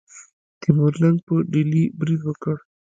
تیمور لنګ په ډیلي برید وکړ.